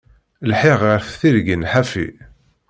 Lḥiɣ ɣef tirgin ḥafi.